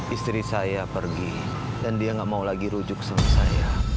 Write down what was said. istri saya pergi dan dia gak mau lagi rujuk sama saya